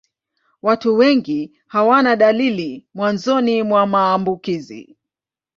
Watu wengi hawana dalili mwanzoni mwa maambukizi.